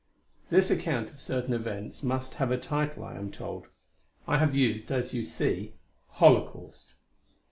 This account of certain events must have a title, I am told. I have used, as you see: "Holocaust."